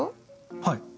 はい。